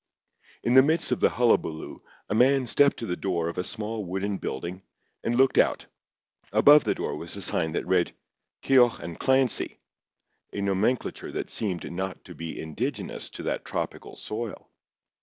In the midst of the hullabaloo a man stepped to the door of a small wooden building and looked out. Above the door was a sign that read "Keogh and Clancy"—a nomenclature that seemed not to be indigenous to that tropical soil.